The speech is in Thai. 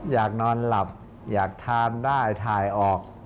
อยากนอนหลับอยากทานได้ถ่ายออก